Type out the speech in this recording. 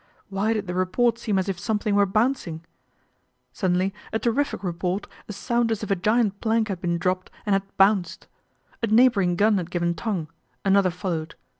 Why did the report seem as if something were bouncing ? Suddenly a terrific report, a sound as if a giant plank had been dropped and had " bounced." A neighbouring gun had given tongue, another followed.